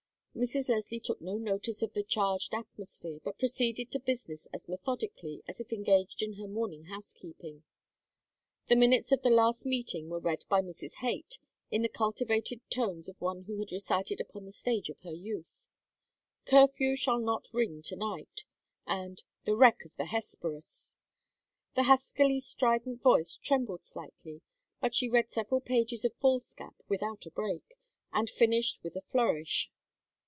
Mrs. Leslie took no notice of the charged atmosphere, but proceeded to business as methodically as if engaged in her morning housekeeping. The minutes of the last meeting were read by Mrs. Haight, in the cultivated tones of one who had recited upon the stage of her youth, "Curfew shall not ring to night," and "The Wreck of the Hesperus." The huskily strident voice trembled slightly, but she read several pages of foolscap without a break, and finished with a flourish.